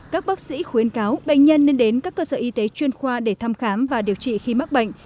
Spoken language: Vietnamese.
các bác sĩ khuyến cáo bệnh nhân nên đến các cơ sở y tế chuyên khoa để thăm khám và điều trị khi mắc bệnh